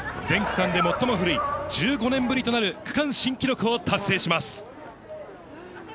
全区間で最も古い１５年ぶりとなる区間新記録を達成します。